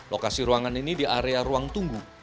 lokasi ruangan ini di area ruang tunggu